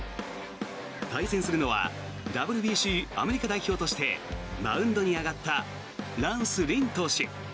対戦するのはＷＢＣアメリカ代表としてマウンドに上がったランス・リン投手。